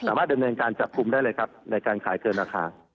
สามารถดำเนินการจับกลุ่มได้เลยครับในการขายเกินราคา